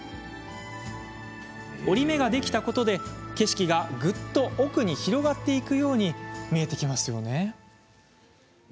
折り目ができたことで景色がぐっと奥に広がっていくように見えますよね。